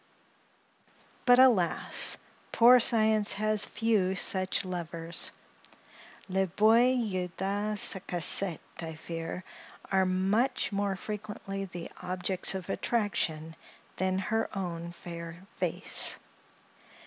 But, alas! poor Science has few such lovers! Les beaux yeux de sa cassette, I fear, are much more frequently the objects of attraction than her own fair face.